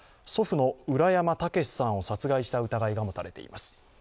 祖父の浦山毅さんを殺害した疑いが持たれています。